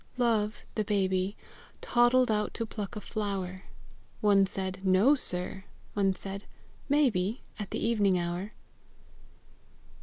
Love, the baby, Toddled out to pluck a flower; One said, "No, sir;" one said, "Maybe, At the evening hour!"